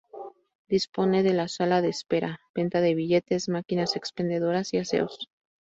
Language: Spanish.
Dispone de sala de espera, venta de billetes, máquinas expendedoras y aseos.